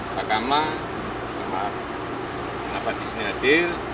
pak kamlah kenapa disini hadir